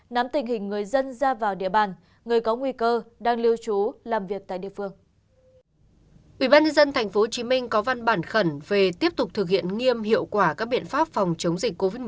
nắm tình hình người dân ra vào địa bàn người có nguy cơ đang lưu trú làm việc tại địa phương